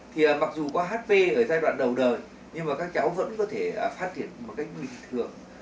thì mặc dù qua hp ở giai đoạn đầu đời nhưng mà các cháu vẫn có thể phát triển một cách bình thường